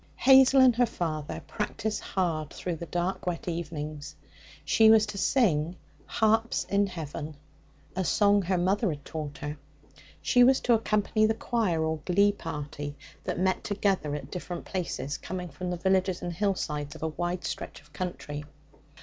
Hazel and her father practised hard through the dark, wet evenings. She was to sing 'Harps in Heaven,' a song her mother had taught her. He was to accompany the choir, or glee party, that met together at different places, coming from the villages and hillsides of a wide stretch of country.